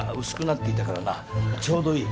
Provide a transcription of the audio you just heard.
ちょうどいい。